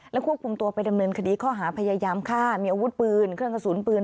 ควบคุมตัวไปดำเนินคดีข้อหาพยายามฆ่ามีอาวุธปืนเครื่องกระสุนปืน